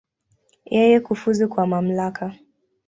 Yeye kufuzu kwa mamlaka.